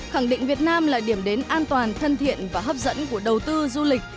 khẳng định việt nam là điểm đến an toàn thân thiện và hấp dẫn của đầu tư du lịch